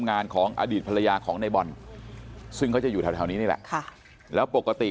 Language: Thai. งานของอดีตภรรยาของในบอลซึ่งเขาจะอยู่แถวนี้นี่แหละค่ะแล้วปกติ